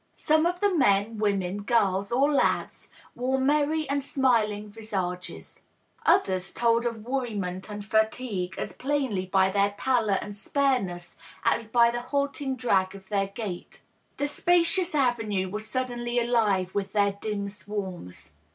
Some of the men, women, girls or lads wore merry and smiling visages ; others told of worriment and fatigue as plainly by their pallor and spareness as by the halting drag of their gait. The spacious avenue was suddenly alive with their dim swarms.